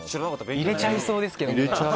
入れちゃいそうですけどね。